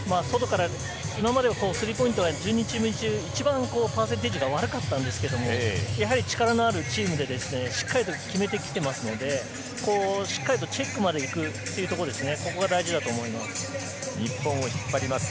今までスリーポイントが、全チーム中、一番パーセンテージが悪かったんですけど、やはり力のあるチームで、しっかり決めてきていますので、しっかりとチェックまで行くというところですね。